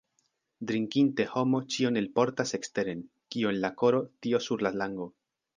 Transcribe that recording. Drinkinte homo ĉion elportas eksteren: kio en la koro, tio sur la lango.